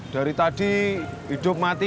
dari tadi hidup mati